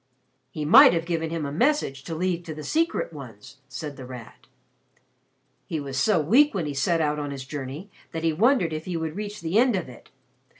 "He might have given him a message to leave to the Secret Ones," said The Rat. "He was so weak when he set out on his journey that he wondered if he would reach the end of it.